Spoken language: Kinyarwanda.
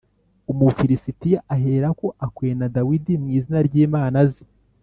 Umufilisitiya aherako akwena Dawidi mu izina ry’imana ze.